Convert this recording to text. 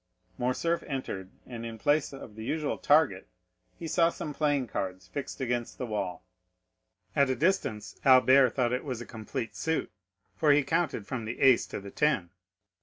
Morcerf entered, and in place of the usual target, he saw some playing cards fixed against the wall. At a distance Albert thought it was a complete suit, for he counted from the ace to the ten.